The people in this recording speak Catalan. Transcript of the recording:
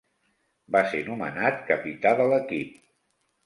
Va ser nomenat capità de l'equip.